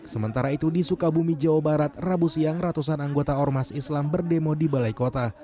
sementara itu di sukabumi jawa barat rabu siang ratusan anggota ormas islam berdemo di balai kota